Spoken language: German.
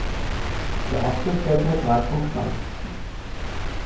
Der Apfel fällt nicht weit vom Stamm.